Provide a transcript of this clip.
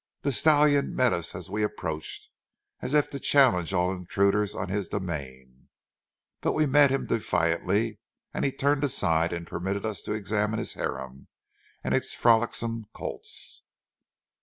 The stallion met us as we approached as if to challenge all intruders on his domain, but we met him defiantly and he turned aside and permitted us to examine his harem and its frolicsome colts.